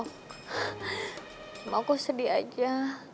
cuma aku sedih aja